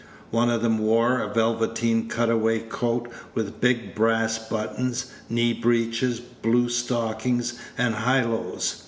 One of them wore a velveteen cut away coat with big brass buttons, knee breeches, blue stockings, and high lows.